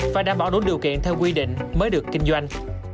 và đảm bảo đúng điều kiện theo quy định mới được kinh doanh